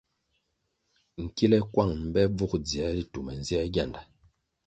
Nkile kuang mbe bvug dzier ritu me nzier gianda.